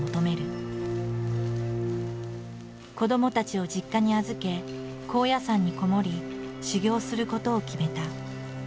子どもたちを実家に預け高野山に籠もり修行することを決めた。